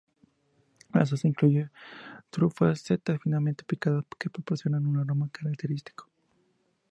La salsa incluye trufas y setas finamente picadas que proporcionan un aroma característico.